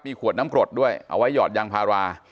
ขวดน้ำกรดด้วยเอาไว้หยอดยางพารา